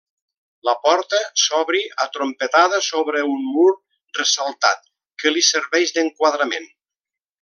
La porta s'obri atrompetada sobre un mur ressaltat que li serveix d'enquadrament.